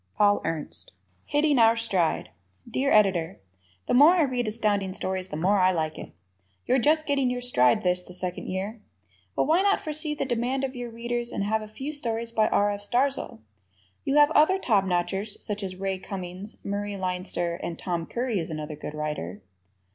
Paul Ernst. Hitting Our Stride Dear Editor: The more I read Astounding Stories, the more I like it. You're just getting your stride this, the second year. But why not foresee the demand of your Readers and have a few stories by R. F. Starzl? You have other top notchers such as Ray Cummings, Murray Leinster; and Tom Curry is another good writer.